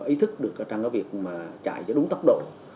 ý thức được ở trong việc chạy cho đúng tốc độ